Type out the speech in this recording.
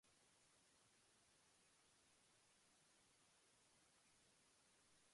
We must recognize that every individual has their own beliefs, opinions, and values.